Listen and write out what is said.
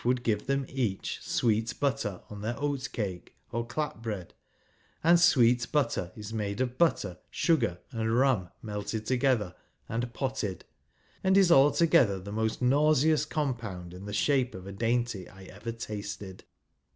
, would give them each " sweet butter " on their '! oat cake or " clap bread and sweet butter ji is made of butter, sugar, and rum melted together and potted, and is altogether the I most nauseous compotmd in the shape of a dainty I ever tasted.